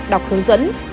đọc hướng dẫn